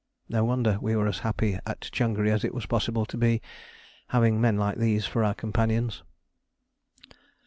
No wonder we were as happy at Changri as it was possible to be, having men like these for our companions.